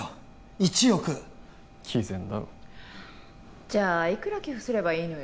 １億偽善だろじゃあいくら寄付すればいいのよ